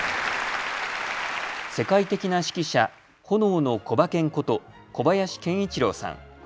世界的な指揮者、炎のコバケンこと小林研一郎さん。